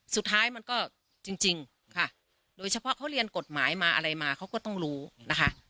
สุดท้ายมันก็จริงค่ะโดยเฉพาะเขาเรียนกฎหมายมาอะไรมาเขาก็ต้องรู้นะคะ